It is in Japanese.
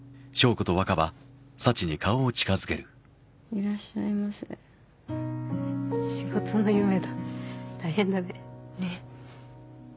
いらっしゃいませ仕事の夢だ大変だねねえ